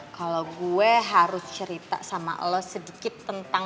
kalau gue harus cerita sama lo sedikit tentang